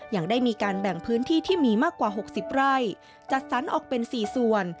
ยังได้มีการแบ่งพื้นที่ที่มีมากกว่า๖๐ไร่จัดสรรออกเป็น๔ส่วน